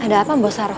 ada apa mbak saroh